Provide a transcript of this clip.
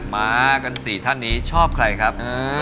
มากัน๔ท่านนี้ชอบใครครับ